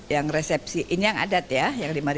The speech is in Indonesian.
yang resepsi ini yang adat ya yang lima